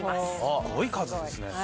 すごい数ですね。